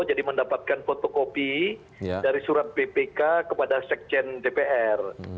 jadi mendapatkan fotokopi dari surat bpk kepada sekjen dpr